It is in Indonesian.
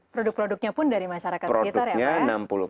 produk produknya pun dari masyarakat sekitar ya pak ya